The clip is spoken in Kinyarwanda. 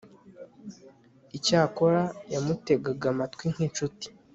icyakora, yamutegaga amatwi nk'incuti